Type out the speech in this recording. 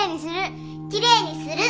きれいにする！